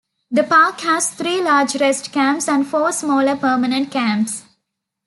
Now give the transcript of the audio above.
The park has three large rest camps and four smaller permanent camps.